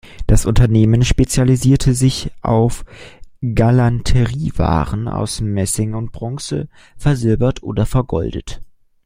Das Unternehmen spezialisierte sich auf Galanteriewaren aus Messing und Bronze, versilbert oder vergoldet.